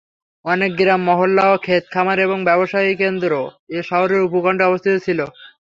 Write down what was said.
অনেক গ্রাম, মহল্লা ও ক্ষেত-খামার এবং ব্যবসায়কেন্দ্র এ শহরের উপকণ্ঠে অবস্থিত ছিল।